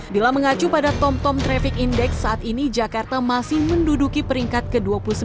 bila mengacu pada tom tom traffic index saat ini jakarta masih menduduki peringkat ke dua puluh sembilan